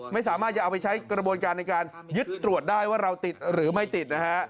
ไม่สามารถจะเอาไปใช้กระบวนการในการยึดตรวจได้ว่าเราติดหรือไม่ติดนะฮะ